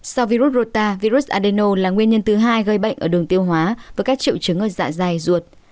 sau virus rota virus adeno là nguyên nhân thứ hai gây bệnh ở đường tiêu hóa và các triệu chứng ở dạ dày ruột